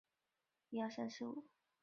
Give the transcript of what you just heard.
阿里耶格河畔弗尔里埃人口变化图示